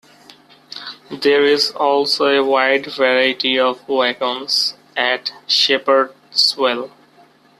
There is also a wide variety of wagons at Shepherdswell.